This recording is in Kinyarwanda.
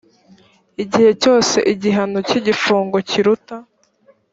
igihe cyose igihano cy igifungo kiruta